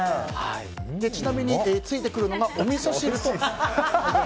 ちなみに、ついてくるのがおみそ汁と。